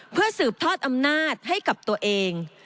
เพื่อสืบทอดอำนาจให้กับตัวเอง